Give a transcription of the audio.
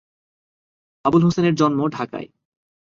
আবুল হোসেনের জন্ম ঢাকায়।